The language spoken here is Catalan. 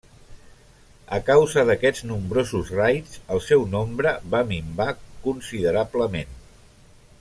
A causa d'aquests nombrosos raids el seu nombre va minvar considerablement.